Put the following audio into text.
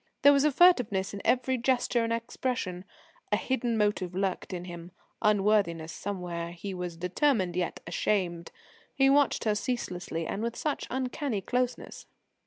There was furtiveness in every gesture and expression. A hidden motive lurked in him; unworthiness somewhere; he was determined yet ashamed. He watched her ceaselessly and with such uncanny closeness.